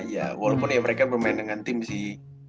ya walaupun ya mereka bermain dengan tim sih